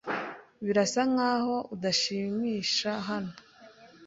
Birasa nkaho udashimisha hano.